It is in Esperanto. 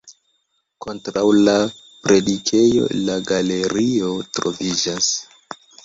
Kontraŭ la predikejo la galerio troviĝas.